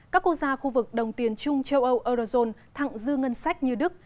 các quốc gia khu vực đồng tiền chung châu âu eurozone thẳng dư ngân sách như đức